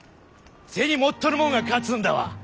銭持っとるもんが勝つんだわ。